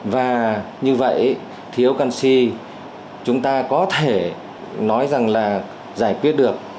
và như vậy thiếu canxi chúng ta có thể nói rằng là giải quyết được